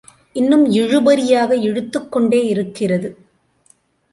இன்னும் இழுபறியாக இழுத்துக் கொண்டே இருக்கிறது.